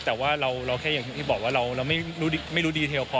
แต่ว่าเราแค่อย่างที่บอกว่าเราไม่รู้ดีเทลพอ